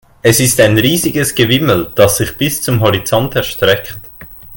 Es ist ein riesiges Gewimmel, das sich bis zum Horizont erstreckt.